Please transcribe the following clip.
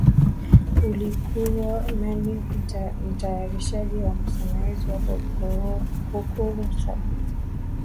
ulikuwa nami mtayarishaji na msimlizi wako karuma sagama